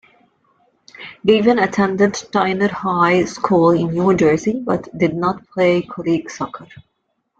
Gaven attended Steinert High School in New Jersey but did not play college soccer.